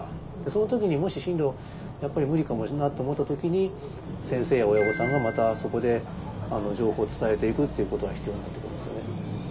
その時にもし進路やっぱり無理かもなと思った時に先生や親御さんがまたそこで情報を伝えていくっていうことが必要になってきますよね。